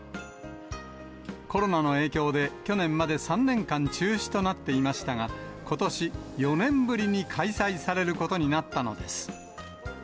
コロナの影響で、去年まで３年間中止となっていましたが、ことし、４年ぶりに開催されることになったのです。